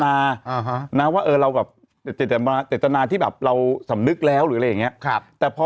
อ่าฮะนะว่าเออเราแบบเจตนาที่แบบเราสำนึกแล้วหรืออะไรอย่างเงี้ยครับแต่พอ